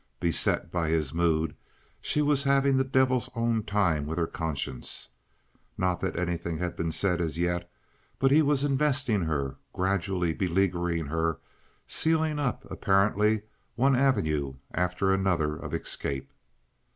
Beset by his mood, she was having the devil's own time with her conscience. Not that anything had been said as yet, but he was investing her, gradually beleaguering her, sealing up, apparently, one avenue after another of escape.